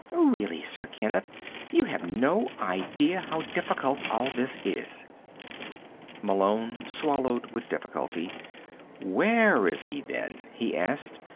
Really, Sir Kenneth, you have no idea how difficult all this is." Malone swallowed with difficulty. "Where is he, then?" he said.